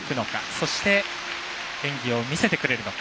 そして、演技を見せてくれるのか。